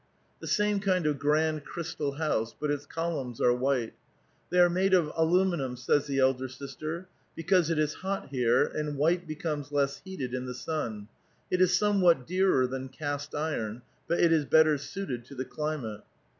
The same kind of grand crystal house, but its columns are white. ''They are made of aluminum," says the 'elder sister; " because it is hot here, and white becomes less heated in the sun ; it is somewhat dearer than cast iron, but it is better suited to the climate."